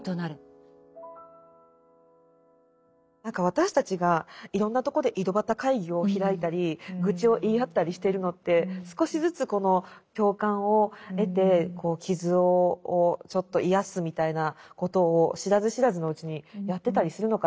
私たちがいろんなとこで井戸端会議を開いたり愚痴を言い合ったりしてるのって少しずつこの共感を得て傷をちょっと癒やすみたいなことを知らず知らずのうちにやってたりするのかなって。